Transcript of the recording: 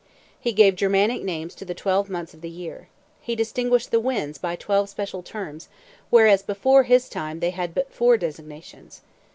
He gave Germanic names to the twelve months of the year. He distinguished the winds by twelve special terms, whereas before his time they had but four designations.